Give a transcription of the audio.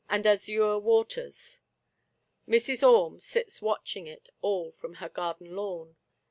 and azure waters. " Mrs. Orme " sits watching it all from her garden lawn.